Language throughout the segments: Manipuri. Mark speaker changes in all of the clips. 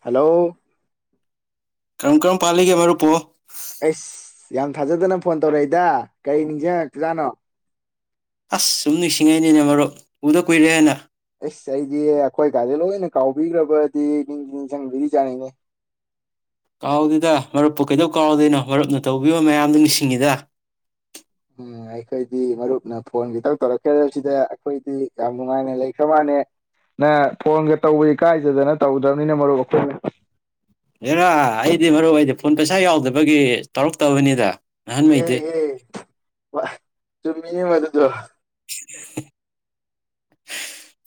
Speaker 1: ꯍꯜꯂꯣ
Speaker 2: ꯀ꯭ꯔꯝ ꯀ꯭ꯔꯝ ꯄꯥꯂꯤꯒꯦ ꯃꯔ ꯄꯣ
Speaker 1: ꯑꯩꯁ ꯌꯥꯝ ꯊꯥꯖꯗꯅ ꯐꯣꯟ ꯇꯧꯔꯛꯏꯗ ꯀꯔꯤ ꯅꯤꯡꯁꯤꯡꯉꯖꯥꯠꯅꯣ
Speaker 2: ꯑꯁ ꯁꯨꯝ ꯅꯨꯡꯁꯤꯡꯉꯩꯅꯦꯅꯦ ꯃꯔꯨꯞ ꯎꯗ ꯀꯨꯏꯔꯦꯅ
Speaker 1: ꯑꯁ ꯑꯩꯗꯤ ꯑꯩꯈꯣꯏ ꯒꯥꯗꯦ ꯂꯣꯏꯅ ꯀꯥꯎꯕꯤꯈ꯭ꯔꯕꯗꯤ ꯅꯤꯡ ꯅꯤꯡꯁꯤꯡꯕꯤꯔꯤ ꯌꯥꯥꯅꯤꯡꯅꯦ
Speaker 2: ꯀꯥꯎꯗꯦꯗ ꯃꯔꯨꯞꯄꯨ ꯀꯩꯗꯧ ꯀꯥꯎꯗꯣꯏꯅꯣ ꯃꯔꯨꯞꯅ ꯇꯧꯕꯤꯕ ꯃꯌꯥꯝꯗꯨ ꯅꯤꯡꯁꯤꯡꯉꯤꯗ
Speaker 1: ꯎꯝ ꯑꯩꯈꯣꯏꯗꯤ ꯃꯔꯨꯞꯅ ꯐꯣꯟ ꯈꯤꯇꯪ ꯇꯧꯔꯛꯀꯦꯗ ꯁꯤꯗ ꯑꯩꯈꯣꯏꯗꯤ ꯌꯥꯝ ꯅꯨꯡꯉꯥꯏꯅ ꯂꯩꯈ꯭ꯔ ꯃꯥꯅꯦ ꯅꯪ ꯐꯣꯟꯒ ꯇꯧꯕꯗꯤ ꯀꯥꯏꯗꯗꯅ ꯇꯧꯗ꯭ꯔꯕꯅꯤꯅ ꯃꯔꯨꯞ ꯑꯩꯈꯣꯏꯅ
Speaker 2: ꯑꯦꯔꯥ ꯑꯩꯗꯤ ꯃꯔꯨ ꯑꯣꯏꯗꯤ ꯐꯣꯟ ꯄꯩꯁꯥ ꯌꯥꯎꯗꯕꯒꯤ ꯇꯧꯔꯛꯇꯕꯅꯤꯗ
Speaker 1: ꯑꯦ
Speaker 2: ꯅꯍꯥꯟꯉꯩꯗꯤ
Speaker 1: ꯌꯦ ꯑꯗꯨꯃꯤ ꯃꯗ꯭ꯔ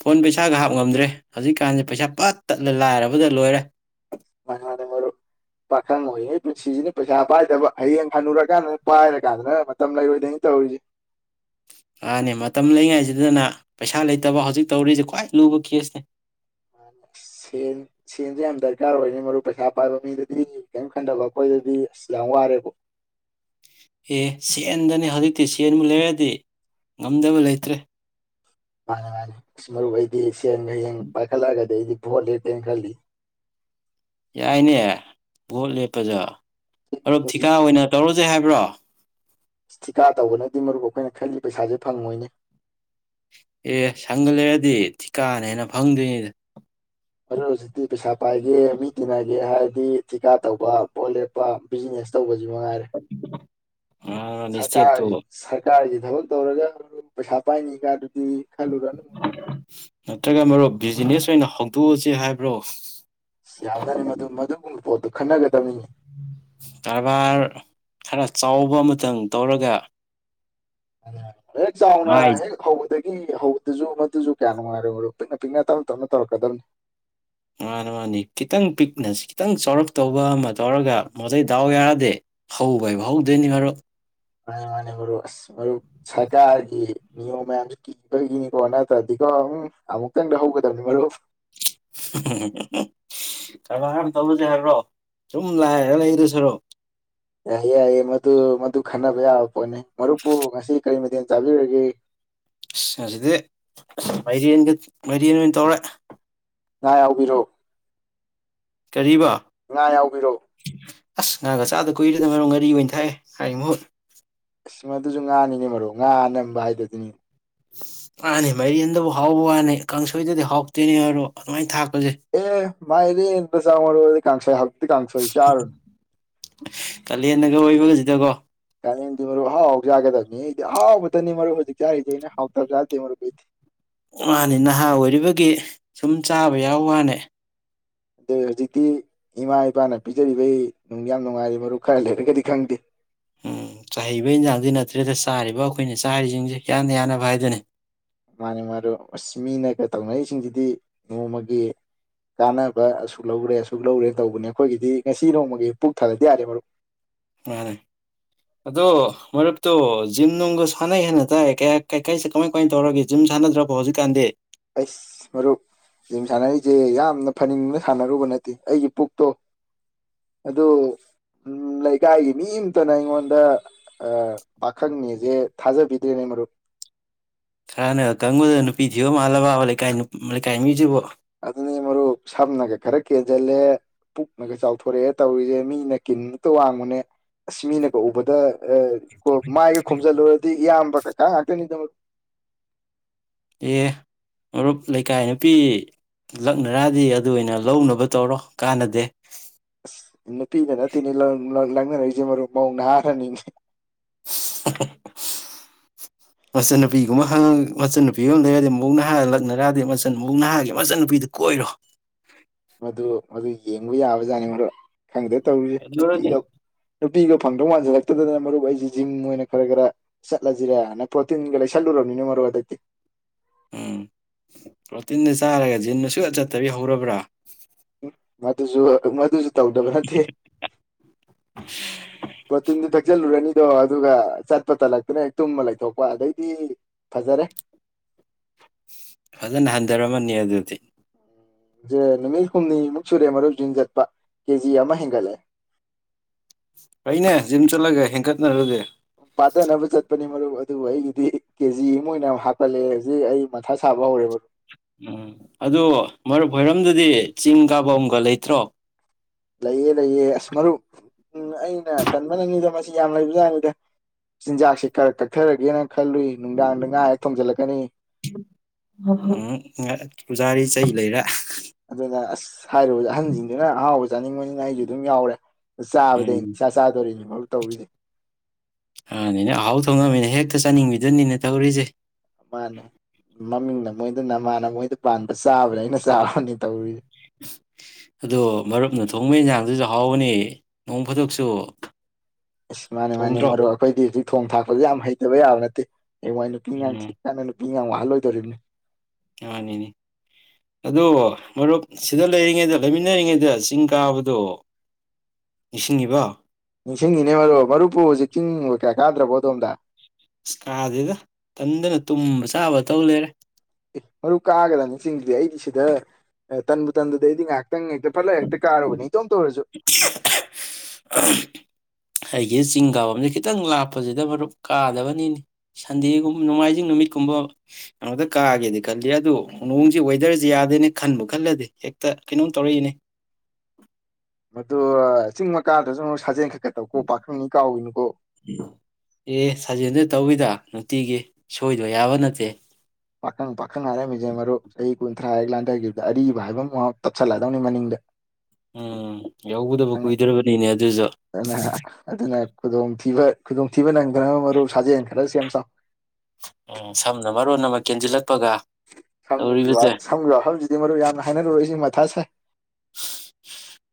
Speaker 2: ꯐꯣꯟ ꯄꯩꯁꯥꯒ ꯍꯥꯞ ꯉꯝꯗ꯭ꯔꯦ ꯍꯧꯖꯤꯛꯀꯥꯟꯁꯦ ꯄꯩꯁꯥ ꯄꯠ ꯇꯠꯂ ꯂꯥꯏꯔꯕꯗ ꯂꯣꯏꯔꯦ
Speaker 1: ꯃꯅ ꯃꯔꯨꯞ ꯄꯥꯈꯪ ꯑꯣꯏꯉꯩ ꯄꯨꯟꯁꯤꯁꯤꯅꯦ ꯄꯩꯁꯥ ꯄꯥꯏꯗꯕ ꯍꯌꯦꯡ ꯍꯅꯨꯔꯀꯥꯟꯗꯅ ꯄꯥꯏꯔ ꯀꯥꯟꯗꯅ ꯃꯇꯝ ꯂꯩꯔꯣꯏꯗꯅꯤ ꯇꯧꯔꯤꯁꯦ
Speaker 2: ꯃꯥꯅꯦ ꯃꯇꯝ ꯂꯩꯉꯩꯁꯤꯗꯅ ꯄꯩꯁꯥ ꯂꯩꯇꯕ ꯍꯧꯖꯤꯛ ꯇꯧꯔꯤꯁꯤꯦ ꯈ꯭ꯋꯥꯏ ꯂꯨꯕ ꯀꯦꯁꯅꯦ
Speaker 1: ꯁꯦꯟ ꯁꯦꯟꯁꯦ ꯌꯥꯝ ꯗꯔꯀꯥꯔ ꯑꯣꯏꯅꯤ ꯃꯔꯨ ꯄꯩꯁꯥ ꯄꯥꯏꯕ ꯃꯤꯗꯗꯤ ꯀꯔꯤꯝ ꯈꯟꯊꯕ ꯑꯩꯈꯣꯏꯗꯗꯤ ꯑꯁ ꯌꯥꯝ ꯋꯥꯔꯦꯕꯣ
Speaker 2: ꯑꯦ ꯁꯦꯟꯗꯅꯦ ꯍꯧꯖꯤꯛꯇꯤ ꯁꯦꯟꯃ ꯂꯩꯔꯗꯤ ꯉꯝꯗꯕ ꯂꯩꯇ꯭ꯔꯦ
Speaker 1: ꯃꯥꯅꯦ ꯃꯥꯅꯦ ꯃꯔꯔ ꯑꯣꯏꯍꯤꯗꯁꯤ ꯍꯌꯦꯡ ꯄꯥꯏꯈꯠꯂꯛꯑꯒꯗꯤ ꯑꯩꯗꯤ ꯐꯣꯂꯦ ꯗꯦꯡꯒꯜꯂꯤ
Speaker 2: ꯌꯥꯏꯅꯦ ꯚꯣꯠ ꯂꯦꯞꯄꯗ ꯑꯣ ꯊꯤꯀꯥ
Speaker 1: ꯍꯧꯖꯤꯛ
Speaker 2: ꯑꯣꯏ ꯑꯣꯏꯅ ꯇꯧꯣ ꯆꯁꯦ ꯍꯥꯏꯕ꯭ꯔꯣ
Speaker 1: ꯊꯤꯀꯥ ꯇꯧꯕꯅꯗꯤ ꯃꯔꯨꯞ ꯑꯩꯈꯣꯏꯅ ꯈꯜꯂꯤ ꯄꯩꯁꯥꯁꯦ ꯐꯪꯉꯣꯏꯅꯦ
Speaker 2: ꯑꯦ ꯁꯪꯒꯠꯂꯔꯗꯤ ꯊꯤꯀꯥꯅ ꯍꯦꯟꯅ ꯐꯪꯗꯣꯏꯅꯤꯗ
Speaker 1: ꯑꯗꯨ ꯍꯧꯖꯤꯛꯇꯤ ꯄꯩꯁꯥ ꯄꯥꯏꯒꯦ ꯃꯤ ꯇꯤꯟꯅꯒꯦ ꯍꯥꯏꯔꯗꯤ ꯊꯤꯀꯥ ꯇꯧꯕ ꯄꯣꯠ ꯂꯦꯞꯄ ꯕꯤꯖꯤꯅꯦꯁ ꯇꯧꯕꯁꯦ
Speaker 2: ꯉꯥꯡꯔꯅꯤ
Speaker 1: ꯁꯔ
Speaker 2: ꯏꯁꯇꯦꯠꯇꯣ
Speaker 1: ꯁꯔ ꯊꯕꯛ ꯇꯧꯔꯒ ꯄꯩꯁꯥ ꯄꯥꯏꯅꯤꯉꯒꯗꯨ
Speaker 2: ꯅꯠꯇ꯭ꯔꯒ ꯃꯔꯨꯞ ꯕꯤꯖꯤꯅꯦꯁ ꯑꯣꯏꯅ ꯍꯧꯗꯣꯛꯑꯁꯤ ꯍꯥꯏꯕ꯭ꯔꯣ
Speaker 1: ꯑꯁ ꯌꯥꯝꯅꯅꯤ ꯃꯗꯨ ꯃꯗꯨꯒꯨꯝꯕ ꯄꯣꯠꯇꯨ ꯈꯟꯅꯒꯗꯕꯅꯤꯉꯤ
Speaker 2: ꯀꯔꯕꯥꯔ ꯈꯔ ꯆꯥꯎꯕ ꯑꯃꯇꯪ ꯇꯧꯔꯒ
Speaker 1: ꯍꯦꯛ ꯆꯥꯎꯅ
Speaker 2: ꯃꯥꯏ
Speaker 1: ꯍꯦꯛ ꯍꯧꯕꯗꯒꯤ ꯄꯛ ꯍꯧꯕꯗꯨꯁꯨ ꯃꯗꯨꯁꯨ ꯀꯌꯥ ꯅꯨꯡꯉꯥꯏꯔꯦ ꯑꯣꯏꯔꯣ ꯄꯤꯛꯅ ꯄꯤꯛꯅ ꯇꯞꯅ ꯇꯞꯅ ꯇꯧꯔꯛꯀꯗꯕꯅꯤ
Speaker 2: ꯃꯥꯅ ꯃꯥꯅꯤ ꯈꯤꯇꯪ ꯄꯤꯛꯅ ꯈꯤꯇꯪ ꯆꯥꯎꯔꯛꯇꯧꯕ ꯑꯃ ꯇꯧꯔꯒ ꯃꯩ ꯗꯥꯎ ꯌꯥꯔꯗꯦ ꯍꯧꯕ ꯍꯥꯏꯕ ꯍꯧꯗꯣꯏꯅꯤ ꯃꯔꯨꯞ
Speaker 1: ꯃꯥꯅꯤ ꯃꯥꯅꯦ ꯃꯔꯨꯞ ꯑꯁ ꯃꯔꯨꯞ ꯁꯔꯀꯥꯔꯒꯤ ꯅꯤꯌꯣꯝ ꯃꯌꯥꯝꯁꯨ ꯀꯤꯕꯒꯤꯅꯤꯀꯣ ꯅꯠꯇ꯭ꯔꯗꯤꯀꯣ ꯑꯃꯨꯛꯇꯪꯗ ꯍꯧꯒꯗꯕꯅꯤ ꯃꯔꯨꯞ
Speaker 2: ꯀꯃꯥꯏꯅ ꯇꯧꯁꯦ ꯍꯥꯏ꯭ꯔꯣ ꯁꯨꯝ ꯂꯥꯏꯔ ꯂꯩꯔꯁꯤꯔꯣ
Speaker 1: ꯌꯥꯏꯌꯦ ꯌꯥꯏꯌꯦꯦ ꯃꯗꯨ ꯃꯗꯨ ꯈꯟꯅꯕ ꯌꯥꯕ ꯄꯣꯠꯅꯤ ꯃꯔꯨꯞꯄꯨ ꯉꯁꯤ ꯀꯔꯤ ꯃꯇꯊꯦꯜ ꯆꯥꯕꯤꯔꯒꯦ
Speaker 2: ꯑꯁ ꯑꯁꯤꯗꯤ ꯑꯁ ꯃꯥꯏꯔꯦꯟꯒ ꯃꯥꯏꯔꯦꯟ ꯑꯣꯏꯅ ꯇꯧꯔꯦ
Speaker 1: ꯉꯥꯏ ꯌꯥꯎꯕꯤꯔꯛꯣ
Speaker 2: ꯀꯔꯤꯕ
Speaker 1: ꯉꯥ ꯌꯥꯎꯕꯤꯔꯛꯣ
Speaker 2: ꯑꯁ ꯉꯥꯒ ꯆꯥꯗ ꯀꯨꯏꯔꯦꯗ ꯉꯝ ꯉꯔꯤ ꯑꯣꯏꯅ ꯊꯥꯏꯑꯦ ꯉꯥꯔꯤ ꯃꯍꯨꯠ
Speaker 1: ꯏꯁꯃꯗꯨꯁꯨ ꯉꯥꯅꯤꯅꯦ ꯃꯔꯣ ꯉꯥ ꯑꯅꯝꯕ ꯍꯥꯏꯗꯨ ꯑꯗꯨꯅꯤꯅꯦ
Speaker 2: ꯃꯥꯥꯅꯤ ꯃꯔꯦꯟꯗꯕꯨ ꯍꯥꯎꯕ ꯋꯥꯅꯤ ꯀꯥꯡꯁꯣꯏꯗꯗꯤ ꯍꯥꯎꯇꯣꯏꯅꯦ ꯑꯣꯏꯔꯣ ꯑꯗꯨꯃꯥꯏꯅ ꯊꯥꯛ
Speaker 1: ꯑꯦ ꯃꯥꯏꯔꯤꯟ ꯑꯣꯏ ꯀ ꯀꯥꯡꯁ ꯍꯥꯜ
Speaker 2: ꯀꯜꯂꯤ ꯑꯦꯅꯒꯦ ꯑꯣꯏꯔꯤꯕꯒꯁꯤ ꯖꯒꯣ
Speaker 1: ꯀꯥꯅꯗꯤ ꯃꯔꯨ ꯍꯥꯎ ꯆꯥꯒꯗꯕꯅꯤ ꯑꯩꯗꯤ ꯍꯥꯎꯕꯗꯅꯤ ꯃꯔꯨ ꯍꯧꯖꯤꯛ ꯆꯥꯔꯤꯗꯤꯦ ꯑꯩꯅ ꯍꯥꯎꯊꯕ ꯆꯥꯗꯦ ꯃꯔꯨ ꯀꯩꯗꯤ
Speaker 2: ꯃꯥꯅꯤ ꯅꯍꯥ ꯑꯣꯏꯔꯤꯕꯒꯤ ꯁꯨꯝ ꯆꯥꯕ ꯌꯥꯎ ꯋꯥꯅꯦ
Speaker 1: ꯑꯗꯨꯗ ꯍꯧꯖꯤꯛꯇꯤ ꯏꯃꯥ ꯏꯄꯥꯅ ꯄꯤꯖꯔꯤꯕꯩ ꯅꯨꯡ ꯌꯥꯝ ꯅꯨꯡꯉꯥꯏꯔꯤ ꯃꯔꯨꯞ ꯈꯔ ꯂꯩꯔꯒꯗꯤ ꯈꯪꯗꯦ
Speaker 2: ꯎꯝ ꯆꯩꯕ ꯏꯟꯁꯥꯡꯗꯤ ꯅꯠꯇ꯭ꯔꯦꯗ ꯆꯥꯔꯤꯕ ꯑꯩꯈꯣꯏꯅ ꯆꯥꯔꯤꯁꯤꯡꯁꯦ ꯀꯌꯥꯅ ꯌꯥꯅꯕ ꯍꯥꯏꯗꯅꯤ
Speaker 1: ꯃꯥꯅꯦ ꯃꯥꯗꯣ ꯑꯁ ꯃꯤꯅ ꯇꯧꯅꯔꯤꯁꯤꯡꯁꯤꯗꯤ ꯅꯣꯡꯃꯒꯤ ꯀꯥꯟꯅꯕ ꯑꯁꯨꯛ ꯂꯧꯔꯦ ꯑꯁꯨꯛ ꯂꯧꯔꯦ ꯇꯧꯕꯅꯦ ꯑꯩꯈꯣꯏꯒꯤꯗꯤ ꯉꯁꯤ ꯅꯣꯡꯃꯒꯤ ꯄꯨꯛ ꯊꯥꯗꯗꯤ ꯌꯥꯔꯦ ꯃꯔꯨꯞ
Speaker 2: ꯃꯥꯅꯦ ꯑꯗꯣ ꯃꯔꯨꯞꯇꯨ ꯖꯤꯝ ꯅꯨꯡꯒ ꯁꯥꯟꯅꯩ ꯍꯥꯏꯦꯅ ꯇꯥꯏ ꯀꯩꯀꯩꯁꯦ ꯀꯃꯥꯏ ꯀꯃꯥꯏꯅ ꯇꯧꯔꯒꯦ ꯖꯤꯝ ꯁꯥꯟꯅꯗ꯭ꯔꯕꯣ ꯍꯧꯖꯤꯛꯀꯥꯟꯗꯤ
Speaker 1: ꯑꯩꯁ ꯃꯔꯨꯞ ꯖꯤꯝ ꯁꯥꯟꯅꯔꯤꯁꯦ ꯌꯥꯝꯅ ꯐꯅꯤꯡꯅ ꯁꯥꯟꯅꯔꯨꯕ ꯅꯠꯇꯦ ꯑꯩꯒꯤ ꯄꯨꯛꯇꯣ ꯑꯗꯨ ꯂꯩꯀꯥꯏꯒꯤ ꯃꯤ ꯑꯃꯝꯇꯅ ꯑꯩꯉꯣꯟꯗ ꯄꯥꯈꯪꯅꯦꯁꯦ ꯊꯥꯖꯕꯤꯗ꯭ꯔꯦꯅꯦ ꯃꯔꯨꯞ
Speaker 2: ꯍꯔꯅ ꯀꯪꯕꯗ ꯅꯨꯄꯤ ꯊꯤꯌꯣ ꯃꯥꯜꯂꯕꯕꯀꯥꯏ ꯂꯩꯀꯥꯏ ꯃꯤꯁꯤꯕꯨ
Speaker 1: ꯑꯗꯨꯅꯤ ꯃꯔꯨꯞ ꯁꯝꯅꯒ ꯈꯔ ꯀꯦꯟꯁꯤꯜꯂꯦ ꯄꯨꯛꯅꯒ ꯆꯥꯎꯊꯣꯔꯛꯑꯦ ꯇꯧꯔꯤꯁꯦ ꯃꯤꯅ ꯀꯤꯇ ꯋꯥꯡꯕꯨꯅꯦ ꯑꯁ ꯃꯤꯅꯒ ꯎꯕꯗ ꯃꯥꯥꯏꯒꯦ ꯈꯣꯡꯝ ꯆ ꯂ ꯌꯥꯝꯕ ꯀ ꯀꯇꯅꯤꯗ
Speaker 2: ꯑꯦ ꯃꯔꯨꯞ ꯂꯩꯀꯥꯏ ꯅꯨꯄꯤ ꯂꯛꯅꯔꯗꯤ ꯑꯗꯨ ꯑꯣꯏꯅ ꯂꯧꯅꯕ ꯇꯧꯔꯣ ꯀꯥꯟꯅꯗꯦ
Speaker 1: ꯏ ꯄꯤꯒ ꯅ ꯊꯅꯤꯂ ꯂ ꯂꯥꯡꯅꯔꯖ ꯃꯔꯔꯕꯅ ꯍꯥꯏꯔꯅꯤ
Speaker 2: ꯃꯆꯟꯅꯨꯄꯤꯒꯨꯝꯕꯉ ꯃꯆꯟꯅꯨꯄꯤꯒ ꯂꯩꯔꯗꯤ ꯃꯨꯛ ꯅꯍꯥꯒ ꯂꯛꯅꯔꯗꯤ ꯃꯆ ꯃꯨꯛ ꯅꯍꯥꯒꯤ ꯃꯆꯟꯅꯨꯄꯤꯗꯨ ꯀꯣꯏꯔꯣ
Speaker 1: ꯑꯗꯨ ꯃꯗꯨ ꯌꯦꯡꯕ ꯌꯥꯕꯖꯥꯠꯅꯤ ꯃ꯭ꯔꯣ ꯈꯪꯗꯦ ꯇꯧꯔꯤꯁꯦ
Speaker 2: ꯑꯗꯨꯔꯗꯤ
Speaker 1: ꯅꯨꯄꯤꯒ ꯅꯨꯄꯤꯒ ꯐꯪꯗꯧ ꯃꯥꯟꯁꯤꯜꯂ ꯗꯅ ꯃꯔꯨꯞ ꯑꯩꯁꯤꯦ ꯖꯤꯝ ꯑꯣꯏꯅ ꯈꯔ ꯈꯔ ꯆꯠꯂꯁꯤꯔꯦ ꯍꯥꯏꯅ ꯄ꯭ꯔꯣꯇꯤꯟꯒ ꯂꯩꯁꯜꯂꯨꯔꯕꯅꯤꯅ ꯃꯔꯨꯞ ꯍꯟꯗꯛꯇꯤ
Speaker 2: ꯎꯝ ꯄ꯭ꯔꯣꯇꯤꯟꯗ ꯆꯥꯔꯒ ꯖꯤꯟ ꯑ ꯁꯨꯌꯥ ꯆꯠꯇꯕꯤ ꯍꯧꯔꯕ꯭ꯔꯥ
Speaker 1: ꯃꯗꯨꯁꯨ ꯃꯗꯨꯁꯨ ꯇꯧꯗꯕ ꯅꯠꯇꯦ ꯄꯣꯇꯤꯟꯗꯨ ꯊꯛꯆꯤꯜꯂꯨꯔꯅꯤ ꯑꯗꯣ ꯑꯗꯨꯒ ꯆꯠꯄ ꯇꯜꯂꯛꯇꯨꯅ ꯇꯨꯝꯃ ꯂꯩꯊꯣꯛꯄ ꯑꯗꯩꯗꯤ ꯐꯖꯔꯦ
Speaker 2: ꯐꯖꯅ ꯍꯟꯊꯔꯝꯃꯅꯤ ꯑꯗꯨꯗꯤ
Speaker 1: ꯦ ꯅꯨꯃꯤꯠ ꯍꯨꯝꯅꯤꯃꯨꯛ ꯁꯨꯔꯦ ꯃꯔꯨꯞ ꯟ ꯆꯠꯄ ꯀꯦ ꯖꯤ ꯑꯃ ꯍꯦꯟꯒꯠꯂꯦ
Speaker 2: ꯑꯩꯅꯦ ꯖꯤꯝ ꯆꯠꯂꯒ ꯍꯦꯟꯀꯠꯅꯔꯗꯤꯦ
Speaker 1: ꯄꯥꯗꯅꯕ ꯆꯠꯄꯅꯤ ꯃꯔꯨꯞ ꯑꯗꯨꯕꯨ ꯑꯩꯒꯤꯗꯤ ꯀꯦꯖꯤ ꯑꯃ ꯑꯣꯏꯅ ꯍꯥꯞꯀꯠꯂꯛꯑꯦ ꯍꯧꯖꯤꯛ ꯑꯩ ꯃꯊꯥ ꯁꯥꯕ ꯍꯧꯔꯦ ꯃꯔꯨꯞ
Speaker 2: ꯎꯝ ꯑꯗꯨ ꯃꯔꯨꯞ ꯍꯣꯏꯔꯝꯗꯨꯗꯤ ꯆꯤꯡ ꯀꯥꯕ ꯑꯃꯝꯒ ꯂꯩꯇ꯭ꯔꯣ
Speaker 1: ꯂꯩꯑ ꯂꯩꯌꯦ ꯑꯁ ꯃꯔꯨꯞ ꯎꯝ ꯑꯩꯅ ꯀꯟꯕꯅꯗ ꯁꯤ ꯌꯥꯝ ꯂꯩꯕꯖꯅꯤꯗ ꯆꯤꯟꯖꯥꯛꯁꯤ ꯀꯛꯊꯔꯒꯦꯅ ꯈꯜꯂꯨꯏ ꯅꯨꯡꯗꯥꯡꯗ ꯉꯥ ꯍꯦꯛ ꯊꯣꯡꯖꯤꯜꯂꯛꯀꯅꯤ
Speaker 2: ꯖꯥꯔꯤ ꯆꯩ ꯂꯩꯔ
Speaker 1: ꯊꯔꯨꯕ ꯑꯍꯟꯁꯤꯡꯗꯨꯅ ꯑꯍꯥꯎꯕ ꯆꯥꯅꯤꯡꯕꯅꯤꯅ ꯑꯩꯁꯨ ꯑꯗꯨꯝ ꯌꯥꯎꯔꯦ
Speaker 2: ꯎꯝ
Speaker 1: ꯆꯥꯕꯗꯩ ꯏꯆꯥ ꯆꯥꯗꯣꯔꯤꯅꯤ ꯇꯧꯕꯔꯤꯁꯦ
Speaker 2: ꯑꯅꯦꯅꯦ ꯑꯍꯥꯎ ꯊꯣꯡꯅꯕꯃꯤꯅ ꯍꯦꯛꯇ ꯆꯥꯅꯤꯡꯕꯗꯨꯅꯤꯅꯦ ꯇꯧꯔꯤꯁꯦ
Speaker 1: ꯃꯥꯅꯦ ꯃꯃꯤꯡꯅ ꯃꯣꯏꯗ ꯅꯃꯥꯟꯅ ꯃꯣꯏꯗ ꯄꯥꯟꯕ ꯆꯥꯕꯗ ꯑꯩꯅ ꯆꯥꯔꯔꯕꯅꯤ ꯇꯧꯔꯤꯁ
Speaker 2: ꯑꯗꯣ ꯃꯔꯨꯞꯅ ꯊꯣꯡꯕ ꯏꯟꯁꯥꯡꯗꯨꯁꯨ ꯍꯥꯎꯕꯅꯤ ꯅꯣꯡ ꯐꯗꯣꯛꯁꯨ
Speaker 1: ꯑ ꯃꯥꯅꯦ ꯃꯥꯅꯦ ꯃꯔꯨꯞ ꯑꯩꯈꯣꯏꯗꯤ ꯍꯧꯖꯤꯛ ꯊꯣꯡ ꯊꯥꯛꯄꯗ ꯌꯥꯝ ꯍꯩꯇꯕ ꯌꯥꯕ ꯅꯠꯇꯦ ꯑꯦ ꯋꯥꯅꯀꯅ
Speaker 2: ꯎꯝ
Speaker 1: ꯃꯤ ꯌꯥꯝ ꯋꯥꯍꯜꯂꯣꯏꯗꯣꯧꯔꯤꯕꯅꯦ
Speaker 2: ꯃꯥꯅꯤꯅꯦ ꯑꯣ ꯃꯔꯨꯞ ꯁꯤꯗ ꯂꯩꯔꯤꯉꯩꯗ ꯂꯩꯃꯤꯟꯅꯔꯤꯉꯩꯗ ꯆꯤꯡ ꯀꯥꯕꯗꯣ ꯅꯤꯡꯁꯤꯡꯉꯤꯕ
Speaker 1: ꯅꯤꯡꯁꯤꯡꯉꯅꯦ ꯃꯔꯨꯞ ꯃꯔꯨꯞꯄꯨ ꯍꯧꯖꯤꯛ ꯆꯤꯡ ꯀꯌꯥ ꯀꯥꯗ꯭ꯔꯕꯣ ꯑꯗꯣꯝꯗ
Speaker 2: ꯀꯥꯗꯦꯗ ꯀꯟꯗꯅ ꯇꯨꯝꯕ ꯆꯥꯕ ꯇꯧ ꯂꯩꯔꯦ
Speaker 1: ꯑꯦ ꯃꯔꯨꯞ ꯀꯥꯒꯗꯅꯤ ꯆꯤꯡꯗꯤ ꯑꯩꯗꯤ ꯁꯤꯗ ꯇꯟꯕꯨ ꯇꯟꯗꯨꯗ ꯑꯩꯗꯤ ꯉꯥꯛ ꯇꯪ ꯐꯂ ꯍꯥꯏꯛꯇ ꯀꯥꯔꯕꯅꯤ ꯝꯧꯔꯁꯨ
Speaker 2: ꯑꯩꯒꯤ ꯆꯤꯡ ꯀꯥꯐꯝꯁꯦ ꯈꯤꯇꯪ ꯂꯥꯞꯄꯁꯤꯗ ꯃꯔꯨꯞ ꯀꯥꯗꯕꯅꯤꯅꯤ ꯁꯟꯗꯦꯒꯨꯝ ꯅꯣꯡꯃꯥꯏꯖꯤꯡ ꯅꯨꯃꯤꯠꯀꯨꯝꯕ ꯀꯩꯅꯣꯝꯇ ꯀꯥꯒꯦꯗꯤ ꯈꯜꯂꯤ ꯑꯗꯨ ꯅꯣꯡꯁꯦ ꯋꯦꯗꯔꯁꯦ ꯌꯥꯗꯦꯅꯦ ꯈꯟꯕ ꯈꯜꯂꯗꯤ ꯍꯦꯛꯇ ꯀꯩꯅꯣꯝ ꯇꯧꯔꯛꯏꯅꯦ
Speaker 1: ꯃꯗꯨ ꯆꯤꯡ ꯃ ꯀꯥꯗꯁꯨꯛ ꯁꯥꯖꯦꯜ ꯈ
Speaker 2: ꯑꯦ ꯁꯥꯖꯦꯜꯗ ꯇꯧꯋꯤꯗ ꯅꯨꯡꯇꯤꯒꯤ ꯁꯣꯏꯗꯣꯏ ꯌꯥꯕ ꯅꯠꯇꯦ
Speaker 1: ꯄꯥꯈꯪ ꯄꯥꯈꯪ ꯑꯔꯝꯃꯤ ꯃꯔꯣ ꯁ ꯀ ꯊꯔꯥ ꯍꯦꯛ ꯂꯥꯏꯊꯈꯤꯕꯗ ꯑꯔꯤꯕ ꯍꯥꯏꯕ ꯑꯃꯥꯎ ꯇꯞꯁꯜꯂꯗꯧꯅꯤ ꯃꯅꯤꯡꯗ
Speaker 2: ꯎꯝ ꯌꯥꯎꯒꯗꯕ
Speaker 1: ꯈꯪꯉꯦ
Speaker 2: ꯀꯨꯏꯗ꯭ꯔꯕꯅꯤꯅꯦ ꯑꯗꯨꯁꯨ
Speaker 1: ꯑꯗꯨꯅ ꯑꯗꯨꯅ ꯈꯨꯗꯣꯡꯊꯤꯕ ꯈꯨꯗꯣꯡꯊꯤꯕ ꯅꯪꯗ꯭ꯔꯕ ꯃꯔꯨꯞ ꯁꯥꯖꯦꯜ ꯑ ꯁꯦꯝꯁꯣ
Speaker 2: ꯎꯝ ꯁꯝꯅ ꯃꯔꯔꯣ ꯅ ꯃ ꯀꯦꯟꯖꯤꯂ
Speaker 1: ꯍꯧꯖꯤꯛꯇꯗꯤ ꯃꯔꯨ ꯌꯥꯝꯅ ꯍꯥꯏꯅꯔꯨꯔꯣꯏ ꯁꯤ ꯃꯊꯥꯁꯦ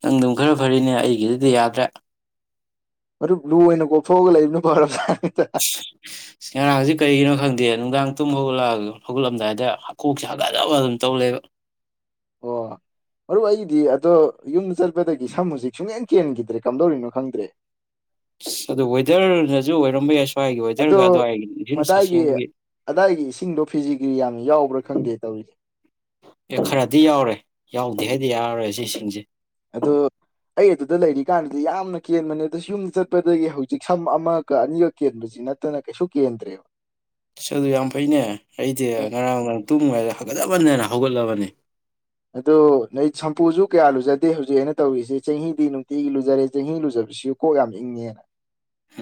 Speaker 2: ꯅꯪ ꯑꯗꯨꯝ ꯈꯔ ꯐꯔꯤꯅꯦ ꯑꯩꯒꯤꯗꯨꯗꯤ ꯌꯥꯗ꯭ꯔꯦ
Speaker 1: ꯃꯔꯨꯞ ꯂꯨ ꯑꯣꯏꯅ ꯀꯣꯞꯊꯣꯛꯑꯒ ꯂꯩꯕꯅꯤ ꯐꯝ
Speaker 2: ꯉꯔꯥꯡꯁꯤ ꯀꯔꯤꯒꯤꯅꯣ ꯈꯪꯗꯦ ꯅꯨꯡꯗꯥꯡ ꯑꯨꯝ ꯍꯧꯒꯠꯂ ꯍꯧꯒꯨꯠꯂꯝꯗꯥꯏꯗ ꯑꯀꯣꯛꯁꯦ ꯍꯥꯀꯖꯕ ꯑꯗꯨꯝ ꯇꯧ ꯂꯩꯕ
Speaker 1: ꯑꯣ ꯃꯔ ꯑꯩꯗꯤ ꯑꯗꯣ ꯌꯨꯝꯗ ꯆꯠꯄ ꯗꯗꯒꯤ ꯁꯝ ꯍꯧꯨꯖꯤꯛ ꯁꯨꯡꯦꯟ ꯆꯦꯟꯈꯤꯗ꯭ꯔꯦ ꯀꯝꯗꯧꯔꯤꯅꯣ ꯈꯪꯗ꯭ꯔꯦ
Speaker 2: ꯑꯁ ꯑꯗꯨꯗꯣ ꯋꯦꯗꯔꯅꯁꯨ ꯑꯣꯏꯔꯝꯕ ꯌꯥꯏ ꯁ꯭ꯋꯥꯏꯒꯤ
Speaker 1: ꯑꯗꯣ
Speaker 2: ꯋꯦꯗꯔꯒ ꯑꯗꯨꯋꯥꯏꯒꯤ ꯏꯁꯤꯡ
Speaker 1: ꯃꯗꯥꯏꯒꯤ
Speaker 2: ꯁꯥꯁꯦꯡꯕꯒꯤ
Speaker 1: ꯑꯗꯥꯏꯒꯤ ꯏꯁꯤꯡꯗꯣ ꯐꯤꯖꯤ ꯏ ꯌꯥꯝ
Speaker 2: ꯑꯦ ꯈꯔꯗꯤ ꯌꯥꯎꯔꯦ ꯌꯥꯎꯗꯦ ꯍꯥꯏ ꯗꯤ ꯌꯥꯔꯣꯏ ꯁꯤꯁꯤꯡꯁꯦ
Speaker 1: ꯑꯗꯣ ꯑꯩ ꯑꯗꯨꯗ ꯂꯩꯔꯤꯀꯥꯟꯗꯗꯤ ꯌꯥꯝꯅ ꯀꯦꯟꯕꯅꯦ ꯑꯗꯣ ꯌꯨꯝ ꯆꯠꯄꯗꯒꯤ ꯍꯧꯖꯤꯛ ꯁꯝ ꯑꯃꯒ ꯑꯅꯤꯒꯛ ꯀꯦꯟꯕꯁꯤ ꯅꯠꯇꯅ ꯀꯩꯁꯨ ꯀꯦꯟꯗ꯭ꯔꯦꯕ
Speaker 2: ꯑꯁ ꯑꯗꯨ ꯌꯥꯝ ꯐꯩꯅꯦ ꯑꯩꯗꯤ ꯉꯔꯥꯡꯥꯡ ꯇꯨꯝꯉꯥꯏꯗ ꯍꯥꯒꯠꯂꯕꯅꯤꯗꯅ ꯍꯧꯒꯠꯂꯕꯅꯤ
Speaker 1: ꯑꯗꯣ ꯅꯣꯏ ꯁꯝꯄꯨꯁꯨ ꯀꯌꯥ ꯂꯨꯖꯗꯦ ꯍꯧꯖꯤꯛ ꯑꯩꯅ ꯇꯧꯔꯤꯁꯤꯦ ꯆꯍꯤꯗꯤ ꯅꯨꯡꯇꯤꯒꯤ ꯂꯨꯖꯔꯦ ꯆꯍꯤ ꯂꯨꯖꯕꯁꯤꯁꯨ ꯀꯣꯛ ꯌꯥꯝ ꯏꯪꯉꯦꯅ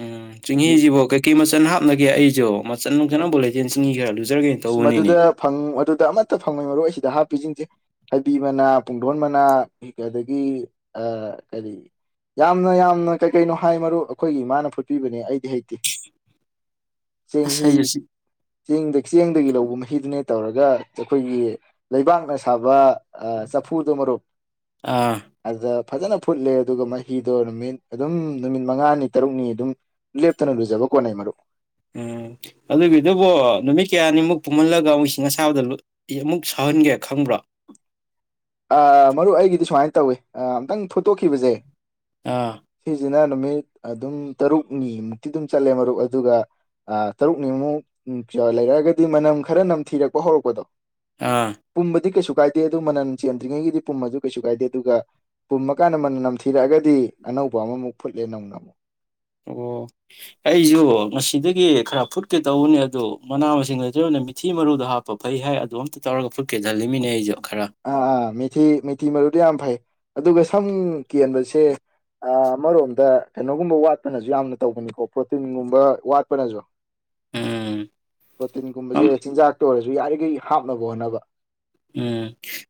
Speaker 2: ꯎꯝ
Speaker 1: ꯑꯁ
Speaker 2: ꯆꯤꯡꯍꯤꯁꯤꯕꯣ ꯀꯩꯀꯩ ꯃꯆꯜ ꯍꯥꯞꯅꯒꯦ ꯑꯩꯁꯨ ꯃꯆꯟ ꯅꯣꯦꯖꯦꯟꯁꯤꯅꯤ ꯀꯌꯥꯂ
Speaker 1: ꯑ ꯃꯗꯨꯗ ꯐꯪ ꯑꯗꯨꯗ ꯑꯃꯠꯇ ꯐꯪꯉꯣꯏ ꯃꯔꯣꯏꯁꯤꯗ ꯍꯥꯞ ꯄꯤꯁꯤꯡꯁꯦ ꯍꯩꯕꯤ ꯃꯅꯥ ꯄꯨꯡꯗꯣꯟ ꯃꯅꯥ ꯑꯗꯒꯤ ꯀꯔꯤ ꯌꯥꯝꯅ ꯌꯥꯝꯅ ꯀꯩ ꯀꯩꯅꯣ ꯍꯥꯏ ꯃꯔꯨ ꯑꯩꯈꯣꯏꯒꯤ ꯏꯃꯥꯅ ꯐꯨꯠꯄꯤꯕꯅꯦ ꯑꯩꯗꯤ ꯍꯩꯇꯦ
Speaker 2: ꯑꯁ
Speaker 1: ꯆꯦꯡꯍꯤ
Speaker 2: ꯑꯩꯁꯨ
Speaker 1: ꯆꯦꯡꯦꯡ ꯆꯦꯡꯗꯒꯤ ꯂꯧꯕ ꯃꯍꯤꯗꯨꯅꯦ ꯇꯧꯔꯒ ꯑꯩꯈꯣꯏꯒꯤ ꯂꯩꯕꯥꯛꯅ ꯁꯥꯕ ꯑ ꯁꯐꯨꯗ ꯃꯔꯣ
Speaker 2: ꯑꯥ
Speaker 1: ꯑ ꯐꯖꯅ ꯐꯨꯠꯂꯦ ꯑꯗꯨꯒ ꯃꯍꯤꯗꯣ ꯅꯨꯃꯤꯠ ꯑꯗꯨꯝ ꯅꯨꯃꯤꯠ ꯃꯉꯥꯅꯤ ꯇꯔꯨꯛꯅꯤ ꯑꯗꯨꯝ ꯂꯦꯞꯇꯅ ꯂꯨꯖꯕ ꯀꯣꯠꯅꯩ ꯃꯔꯨꯞ
Speaker 2: ꯎꯝ ꯑꯗꯨꯒꯤꯗꯨꯕꯨꯣ ꯅꯨꯃꯤꯠ ꯀꯌꯥꯅꯤꯃꯨꯛ ꯄꯨꯝꯍꯜꯂꯒ ꯃꯣꯏꯁꯤꯡ ꯑꯁꯥꯕꯗ ꯑꯃꯨꯛ ꯁꯥꯎꯍꯟꯒꯦ ꯈꯪꯕ꯭ꯔꯥ
Speaker 1: ꯃꯔꯨꯨꯞ ꯑꯩꯒꯤꯗꯤ ꯁꯨꯃꯥꯏꯅ ꯇꯧꯏ ꯑꯝꯇꯪ ꯊꯣꯠꯇꯣꯛꯈꯤꯕꯁꯦ
Speaker 2: ꯑꯥ
Speaker 1: ꯁꯤꯖꯤꯅ ꯅꯨꯃꯤꯠ ꯑꯗꯨꯝ ꯇꯔꯨꯛꯅꯤ ꯃꯨꯛꯇꯤ ꯑꯗꯨꯝ ꯆꯠꯂꯦ ꯃꯔꯨꯞ ꯑꯗꯨꯒ ꯇꯔꯨꯛꯅꯤꯃꯨꯛ ꯂꯩꯔꯛꯑꯒꯗꯤ ꯃꯅꯝ ꯈꯔ ꯅꯝꯊꯤꯔꯛꯄ ꯍꯧꯔꯛꯄꯗꯣ
Speaker 2: ꯑꯥ
Speaker 1: ꯄꯨꯝꯕꯗꯤ ꯀꯦꯁꯨ ꯀꯥꯏꯗꯤ ꯑꯗꯨ ꯃꯅ ꯆꯦꯟꯗ꯭ꯔꯤꯉꯩꯒꯤꯗꯤ ꯄꯨꯝꯃꯗꯨ ꯀꯩꯁꯨ ꯀꯥꯏꯗꯦ ꯑꯗꯨꯒ ꯄꯨꯝꯃꯀꯥꯟꯗ ꯃ ꯅꯝꯊꯤꯔꯛꯑꯒꯗꯤ ꯑꯅꯧꯕ ꯑꯃꯃꯨꯛ ꯐꯨꯠꯂꯦ ꯅꯧꯅ ꯑꯃꯨꯛ
Speaker 2: ꯑꯣ ꯑꯩꯁꯨ ꯉꯁꯤꯗꯒꯤ ꯈꯔ ꯐꯨꯠꯀꯦ ꯇꯧꯕꯅꯦ ꯑꯗꯨꯗꯣ ꯃꯅꯥ ꯃꯁꯤꯡ ꯂꯩꯗ ꯑꯣꯏꯅ ꯃꯤꯊꯤ ꯃꯔꯨꯗꯣ ꯍꯥꯞꯄ ꯐꯩ ꯍꯥꯏ ꯑꯗꯨꯝꯇ ꯇꯧꯔꯒ ꯐꯨꯠꯀꯦ ꯈꯜꯂꯤꯃꯤꯅꯦ ꯑꯩꯁꯨ ꯈꯔ
Speaker 1: ꯑꯥ ꯑꯥ ꯃꯦꯊꯤ ꯃꯦꯊꯤ ꯃꯔꯨꯗꯤ ꯌꯥꯝ ꯐꯩ ꯑꯗꯨꯒ ꯁꯝ ꯀꯦꯟꯕꯁꯦ ꯑꯃꯔꯣꯝꯗ ꯀꯩꯅꯣꯒꯨꯝꯕ ꯋꯥꯠꯄꯅꯁꯨ ꯌꯥꯝꯅ ꯇꯧꯕꯅꯤꯀꯣ ꯄ꯭ꯔꯣꯇꯤꯟꯒꯨꯝꯕ ꯋꯥꯠꯄꯅꯁꯨ
Speaker 2: ꯎꯝ
Speaker 1: ꯄꯇꯤꯟ ꯀꯨꯨꯝꯕꯁꯦꯁꯤꯤꯟꯖꯥꯛꯛꯇꯣ ꯑꯣꯏꯔ ꯌꯥꯔꯤꯈꯩ ꯍꯥꯞꯅꯕ ꯍꯣꯠꯅꯕ
Speaker 2: ꯎꯝ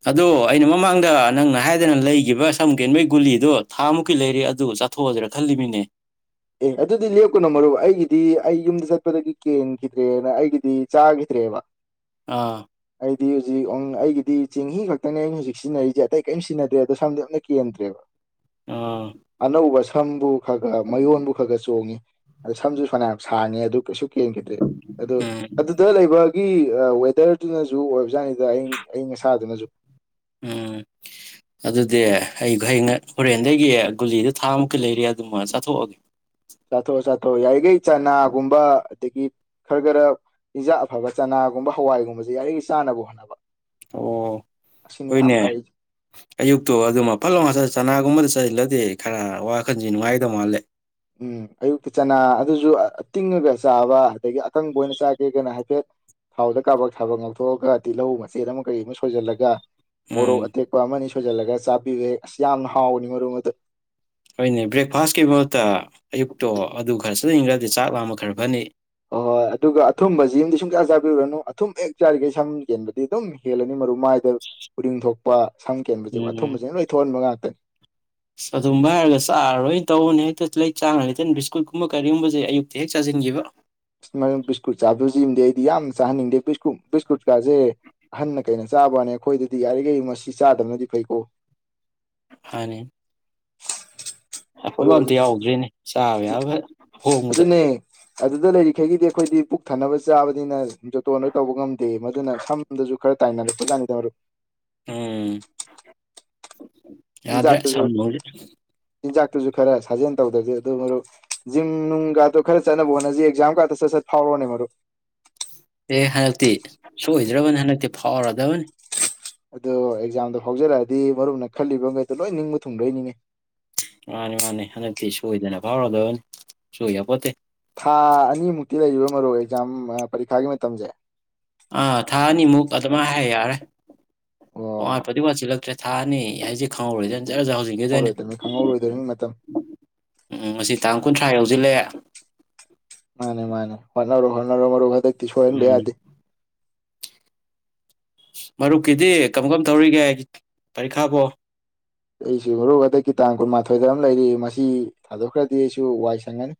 Speaker 2: ꯑꯗꯣ ꯑꯩꯅ ꯃꯃꯥꯡꯗ ꯅꯪꯅ ꯍꯥꯏꯗꯅ ꯂꯩꯈꯤꯕ ꯁꯝ ꯀꯦꯟꯕꯩ ꯒꯨꯂꯤꯗꯣ ꯊꯥ ꯃꯨꯛꯀꯤ ꯂꯩꯔ ꯑꯗꯨ ꯆꯥꯊꯣꯛꯑꯗꯔꯥ ꯈꯜꯂꯤꯃꯤꯅꯦ
Speaker 1: ꯑꯦ ꯑꯗꯨꯗꯤ ꯂꯦꯞꯀꯨꯅꯣ ꯃꯔꯨ ꯑꯩꯒꯤꯗꯤ ꯑꯩ ꯌꯨꯝꯗ ꯆꯠꯄꯗꯒꯤ ꯀꯦꯟꯈꯤꯗ꯭ꯔꯦꯅ ꯑꯩꯒꯤꯗꯤ ꯆꯥꯈꯤꯗ꯭ꯔꯦꯕ
Speaker 2: ꯑꯥ
Speaker 1: ꯑꯩꯗꯤ ꯍꯧꯖꯤꯛ ꯑꯩꯒꯤꯗꯤ ꯆꯦꯡꯍꯤ ꯈꯛꯇꯅꯦ ꯑꯩꯅ ꯍꯧꯖꯤꯛ ꯁꯤꯖꯤꯟꯅꯔꯤꯁꯦ ꯑꯇꯩ ꯀꯔꯤꯝ ꯁꯤꯖꯤꯟꯅꯗ꯭ꯔꯦ ꯑꯗꯣ ꯁꯝꯗꯦ ꯌꯥꯝꯅ ꯀꯦꯟꯗ꯭ꯔꯦꯕ
Speaker 2: ꯑꯥ
Speaker 1: ꯊꯝꯝꯕꯨ ꯈꯒ ꯃꯌꯣꯟꯕꯨ ꯈꯔ ꯈ ꯆꯣꯡꯉꯤ ꯑꯗ ꯁꯝꯁꯨ ꯁꯅꯌꯥꯝ ꯁꯥꯡꯉꯦ ꯑꯗꯨ ꯀꯩꯁꯨ ꯀꯦꯟꯈꯤꯗ꯭ꯔꯦ ꯑꯗꯣ
Speaker 2: ꯎꯝ
Speaker 1: ꯑꯗꯨꯗ ꯂꯩꯕ ꯒꯤ ꯋꯦꯗꯔꯗꯨꯅꯁꯨ ꯑꯣꯏꯕꯖꯥꯠꯅꯤꯗ ꯑꯌ ꯑꯌꯪ ꯑꯁꯥꯗꯨꯅꯁꯨ
Speaker 2: ꯎꯝ ꯑꯗꯨꯗꯤ ꯑꯩ ꯍꯌꯦ ꯍꯣꯔꯦꯟꯗꯒꯤ ꯒꯨꯂꯤꯗ ꯊꯥꯃꯨꯛꯀ ꯂꯩꯔꯦ ꯑꯗꯨꯃ ꯆꯥꯊꯣꯛꯑꯒꯦ
Speaker 1: ꯁꯥꯊꯣ ꯁꯥꯊꯣ ꯑꯣꯏ ꯌꯥꯏꯒꯩ ꯆꯅꯥꯒꯨꯝꯕ ꯑꯗꯒꯤ ꯈꯔ ꯈꯔ ꯆꯤꯟꯖꯥꯛ ꯑꯐꯕ ꯆꯅꯥꯒꯨꯝꯕ ꯍꯋꯥꯏꯒꯨꯝꯕꯁꯦ ꯌꯥꯔꯤꯈꯩ ꯆꯥꯅꯕ ꯍꯣꯠꯅꯕ
Speaker 2: ꯑꯣ
Speaker 1: ꯑꯁꯤꯅꯤ ꯌꯥꯝ
Speaker 2: ꯍꯣꯏꯅꯦ
Speaker 1: ꯐꯔꯤꯁꯦ
Speaker 2: ꯑꯌꯨꯛꯇꯣ ꯑꯗꯨꯃ ꯐꯂꯣ ꯉꯁ ꯆꯅꯥꯒꯨꯝꯕꯗ ꯆꯠ ꯏꯜꯂꯗꯤ ꯈꯔ ꯋꯥꯈꯟꯁꯤꯦ ꯅꯨꯡꯉꯥꯏꯗꯧ ꯃꯥꯜꯂꯦ
Speaker 1: ꯎꯝ ꯑꯌꯨꯛꯇ ꯆꯅꯥ ꯑꯗꯨꯁꯨ ꯇꯤꯡꯉꯒ ꯆꯥꯕ ꯑꯗꯒꯤ ꯑꯀꯪꯕ ꯑꯣꯏꯅ ꯆꯥꯒꯦ ꯀꯅ ꯍꯥꯏꯐꯦꯠ ꯊꯥꯎꯗ ꯀꯥꯕꯛ ꯊꯥꯕꯛ ꯉꯥꯎꯊꯣꯛꯑꯒ ꯇꯤꯜꯍꯧ ꯃꯆꯦꯠ ꯑꯃ ꯀꯔꯤ ꯑꯃ ꯁꯣꯏꯁꯤꯜꯂꯒ ꯃꯔꯣ
Speaker 2: ꯎꯝ
Speaker 1: ꯑꯇꯩ ꯀꯅꯤ ꯊꯣꯏꯖꯤꯜꯂꯒ ꯆꯥꯕꯤꯕꯦ ꯑꯁ ꯌꯥꯝꯅ ꯍꯥꯎꯕꯅꯤ ꯃꯔꯨꯞ ꯑꯗꯨꯗ
Speaker 2: ꯍꯣꯏꯅꯦ ꯕ꯭ꯔꯦꯛꯐꯥꯁꯀꯤ ꯃꯍꯠꯇ ꯑꯌꯨꯛꯇꯣ ꯑꯗꯨ ꯈꯔꯁꯨ ꯏꯈ꯭ꯔꯗꯤ ꯆꯥꯛ ꯂꯥꯃ ꯈꯔ ꯐꯅꯤ
Speaker 1: ꯍꯣꯏ ꯍꯣꯏ ꯑꯗꯨꯒ ꯑꯊꯨꯝꯕꯁꯤ ꯑꯃꯗꯤꯗꯤ ꯁꯨꯡꯆꯥꯌꯥ ꯆꯥꯕꯤꯔꯨꯔꯅꯨ ꯑꯊꯨꯝ ꯍꯦꯛ ꯆꯥꯔꯤꯈꯩ ꯁꯝ ꯌꯦꯟꯕꯗꯤ ꯑꯗꯨꯝ ꯍꯦꯜꯂꯅꯤ ꯃꯔꯨ ꯃꯥꯏꯗ ꯎꯔꯤꯡ ꯊꯣꯛꯄ ꯁꯝ ꯀꯦꯟꯕꯕꯁꯤ ꯑꯊꯨꯝꯕꯕꯁꯤꯅ ꯂꯣꯏ ꯊꯣꯛꯍꯟꯕ ꯉꯥꯛꯇꯅꯤ
Speaker 2: ꯑ ꯑꯗꯨꯨꯝꯕ ꯍꯥꯏꯔꯒ ꯆꯥꯔꯔꯣꯏꯅ ꯇꯧꯧꯕꯅꯦ ꯍꯦꯛꯇ ꯂꯩ ꯆꯥꯡꯉ ꯂꯩꯇꯅ ꯕꯤꯁꯀꯨꯠ ꯀꯨꯝꯕ ꯀꯔꯤꯒꯨꯝꯕꯁꯦ ꯑꯌꯨꯛꯇꯤ ꯍꯦꯛ ꯆꯥꯁꯤꯟꯈꯤꯕ
Speaker 1: ꯑꯁ ꯃꯔꯨꯞ ꯕꯤꯁꯀꯨꯠ ꯆꯥꯕꯤꯕꯁꯤ ꯑꯃꯗꯤ ꯑꯩꯗꯤ ꯌꯥꯝꯅ ꯆꯥꯍꯟꯅꯤꯡꯗꯦ ꯕꯤꯁꯀꯨꯠꯀꯥꯁꯦ ꯑꯍꯟꯅ ꯀꯩꯅ ꯆꯥꯕꯅꯦ ꯑꯩꯈꯣꯏꯗꯗꯤ ꯌꯥꯔꯤꯈꯩ ꯃꯁꯤ ꯆꯥꯗꯕꯅꯗꯤ ꯐꯩꯀꯣ
Speaker 2: ꯍꯥꯏꯅꯤ ꯑꯐꯕ
Speaker 1: ꯃꯔꯨꯞ ꯑꯗꯨ
Speaker 2: ꯑꯝꯇ ꯌꯥꯎꯗ꯭ꯔꯤꯅꯦ ꯆꯥꯕ ꯌꯥꯕ ꯍꯣꯡꯕꯗ
Speaker 1: ꯑꯗꯨꯅꯦ ꯑꯗꯨꯗ ꯂꯩꯔꯤꯈꯩꯒꯤꯗꯤ ꯑꯩꯈꯣꯏꯗꯤ ꯄꯨꯛ ꯊꯟꯅꯅꯕ ꯆꯥꯕꯅꯤꯅ ꯖꯣꯇꯣꯟ ꯂꯣꯏ ꯇꯧꯕ ꯉꯝꯗꯦ ꯃꯗꯨꯅ ꯁꯝꯗꯁꯨ ꯈꯔ ꯇꯥꯏꯅꯔꯄ ꯇꯅꯤꯗꯧꯔ
Speaker 2: ꯎꯝ ꯌꯥꯗ꯭ꯔꯦ ꯁ
Speaker 1: ꯆꯤꯟꯖꯥꯛꯇꯁꯨ ꯆꯤꯟꯖꯥꯛꯇꯨꯁꯨ ꯈꯔ ꯁꯥꯖꯦꯟ ꯇꯧꯗ꯭ꯔꯗꯦ ꯑꯗꯨ ꯃꯔꯨꯞ ꯖꯤꯝ ꯅꯨꯡꯒꯗꯣ ꯈꯔ ꯆꯠꯅꯕ ꯍꯣꯠꯅꯁꯤ ꯑꯦꯛꯖꯥꯝꯒꯗ ꯆꯠ ꯆꯠ ꯐꯥꯎꯔꯣꯅꯦ ꯃꯔꯨꯞ
Speaker 2: ꯑꯦ ꯍꯟꯗꯛꯇꯤ ꯁꯣꯏꯗ꯭ꯔꯕꯅꯤ ꯍꯟꯗꯛꯇꯤ ꯐꯥꯎꯔꯗꯕꯅꯤ
Speaker 1: ꯑꯗꯣ ꯑꯦꯛꯖꯥꯝꯗꯣ ꯍꯧꯖꯔꯛꯑꯗꯤ ꯃꯔꯨꯞꯅ ꯈꯜꯂꯤꯕꯈꯩꯗꯣ ꯂꯣꯏ ꯅꯤꯡꯕ ꯊꯨꯡꯂꯣꯏꯅꯤꯡꯉꯤ
Speaker 2: ꯃꯥꯅꯤ ꯃꯥꯅꯤ ꯍꯟꯗꯛꯇꯤ ꯁꯣꯏꯗꯅ ꯐꯥꯎꯔꯗꯕꯅꯤ ꯁꯣꯏꯕꯄꯣꯠꯇꯦ
Speaker 1: ꯊꯥ ꯑꯅꯤꯃꯨꯛꯇꯤ ꯂꯩꯕꯩ ꯃꯔꯨ ꯑꯦꯛꯖꯥꯝ ꯄꯔꯤꯈꯥꯒꯤ ꯃꯇꯝꯖꯦ
Speaker 2: ꯑꯥ ꯊꯥ ꯑꯅꯤꯃꯨꯛ ꯑꯗꯨꯃꯥꯏꯅ ꯍꯥꯏ ꯌꯥꯔꯦ
Speaker 1: ꯑꯣ
Speaker 2: ꯋꯥꯔ ꯄꯗꯤꯕꯁꯤꯂ ꯇ꯭ꯔꯦ ꯊꯥꯅꯤ ꯑꯩꯁꯦ ꯈꯪꯍꯧꯔꯣꯏꯗꯅ ꯐꯖꯖꯥ ꯍꯧꯖꯤꯛꯀꯤꯗꯅꯦ
Speaker 1: ꯈꯪꯍꯧꯔꯣꯏꯗꯕꯅꯤ ꯈꯪꯍꯧꯔꯣꯏꯗꯕꯅꯤ ꯃꯇꯝ
Speaker 2: ꯎꯝ ꯑꯁꯤ ꯇꯥꯡ ꯀꯨꯟꯊ꯭ꯔꯥ ꯌꯧ ꯂꯦ
Speaker 1: ꯃꯥꯅꯦ ꯍ ꯍ ꯁꯣꯏꯍꯅꯕ
Speaker 2: ꯎꯝ
Speaker 1: ꯌꯥꯗꯦ
Speaker 2: ꯃꯔꯨꯞꯀꯤꯗꯤ ꯀꯔꯃꯝ ꯀꯔꯝ ꯇꯧꯔꯤꯒꯦ ꯄꯔꯤꯈꯥꯕꯣ
Speaker 1: ꯑꯩꯁꯨ ꯍꯨ ꯍꯟꯗꯛꯀꯤ ꯇꯥꯡ ꯀꯨꯟꯃꯥꯊꯣꯏꯗ ꯑꯃ ꯂꯩꯔꯤ ꯃꯁꯤ ꯊꯥꯗꯣꯛꯈ꯭ꯔꯗꯤ ꯑꯩꯁꯨ ꯋꯥꯏ ꯁꯪꯒꯅꯤ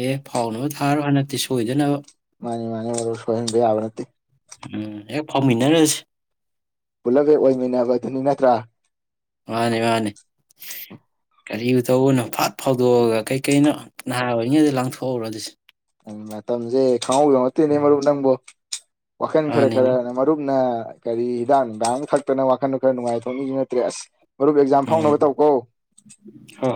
Speaker 2: ꯑꯦ ꯐꯥꯎꯅꯕ ꯊꯥꯔꯣ ꯍꯟꯗꯛꯇꯤ ꯁꯣꯏꯗꯅꯕ
Speaker 1: ꯃꯥꯅꯤ ꯃꯥꯅꯤ ꯃꯔ ꯁꯣꯏꯕꯕ ꯅꯠꯇ
Speaker 2: ꯎꯝ ꯍꯦꯛ ꯐꯥꯎꯃꯤꯟꯅꯔꯁꯤ
Speaker 1: ꯄꯨꯂꯞ ꯍꯦꯛ ꯑꯣꯏꯃꯤꯟꯅꯕꯗꯨꯅꯤ ꯅꯠꯇ꯭ꯔꯥ
Speaker 2: ꯃꯥꯅꯤ ꯃꯥꯅꯤ ꯀꯔꯤꯕ ꯇꯧꯕꯅꯣ ꯐꯥꯠ ꯐꯥꯎꯗꯣꯛꯑꯒ ꯀꯔꯤꯀꯩꯅꯣ ꯅꯍꯥ ꯑꯣꯏꯅꯤꯩꯗ ꯂꯥꯡꯊꯣꯛꯎꯔꯣ ꯑꯗꯨꯁ
Speaker 1: ꯃꯇꯝꯁꯦ ꯍꯥꯎꯒ ꯃꯦꯅꯦ ꯃꯔꯔꯕꯨ ꯅꯪꯕꯣ ꯋꯥꯈꯜ ꯈꯔ
Speaker 2: ꯃꯥꯅꯤꯅꯦ
Speaker 1: ꯈꯔ ꯃꯔꯨꯞꯅ ꯀꯔꯤ ꯍꯤꯗꯥꯛ ꯅꯨꯡꯗꯥꯡ ꯈꯛꯇꯅ ꯋꯥꯈꯜꯗ ꯈꯔ ꯅꯨꯡꯉꯥꯏꯊꯣꯛꯅꯤꯁꯨ ꯅꯠꯇ꯭ꯔꯦ ꯑꯁ ꯃꯔꯨꯞ ꯑꯦꯛꯖꯥꯝ
Speaker 2: ꯎꯝ
Speaker 1: ꯐꯥꯎꯅꯕ ꯇꯧꯈꯣ
Speaker 2: ꯍꯣꯏ